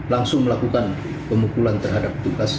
langsung melakukan pemukulan terhadap tugas